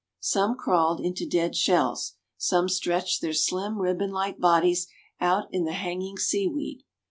Some crawled into dead shells. Some stretched their slim, ribbon like bodies out in the hanging sea weed.